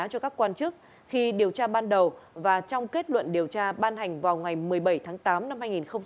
cho các quan chức khi điều tra ban đầu và trong kết luận điều tra ban hành vào ngày một mươi bảy tháng tám năm hai nghìn hai mươi ba